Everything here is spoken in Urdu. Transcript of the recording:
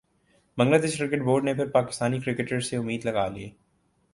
بنگلہ دیش کرکٹ بورڈ نے پھر پاکستانی کرکٹرز سے امید لگا لی